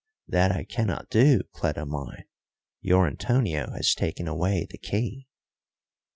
"That I cannot do, Cleta mine. Your Antonio has taken away the key."